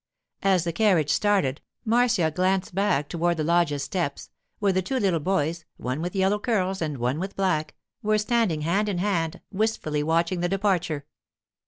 As the carriage started, Marcia glanced back toward the loggia steps, where the two little boys, one with yellow curls and one with black, were standing hand in hand, wistfully watching the departure.